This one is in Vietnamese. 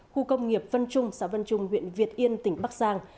khu công nghiệp vân trung xã vân trung huyện việt yên tỉnh bắc giang